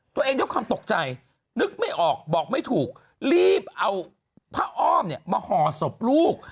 ตัวเองด้วยความตกใจนึกไม่ออกบอกไม่ถูกรีบเอาผ้าอ้อมเนี่ยมาห่อศพลูก